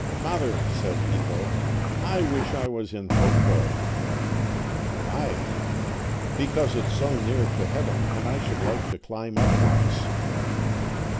"Father," said Ivo, "I wish I was in Hochdorf." "Why?" "Because it's so near to heaven, and I should like to climb up once."